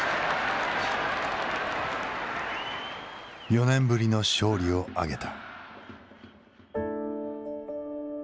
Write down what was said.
４年ぶりの勝利を挙げた。